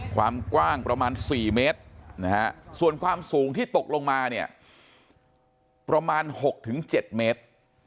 ความกว้างประมาณ๔เมตรนะฮะส่วนความสูงที่ตกลงมาเนี่ยประมาณ๖๗เมตร